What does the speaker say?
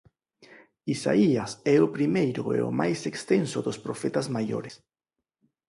Isaías é o primeiro e o máis extenso dos Profetas maiores.